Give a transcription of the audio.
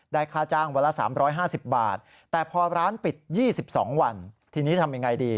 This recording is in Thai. ค่าจ้างวันละ๓๕๐บาทแต่พอร้านปิด๒๒วันทีนี้ทำยังไงดี